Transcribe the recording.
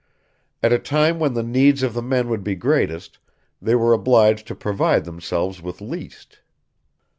At a time when the needs of the men would be greatest, they were obliged to provide themselves with least.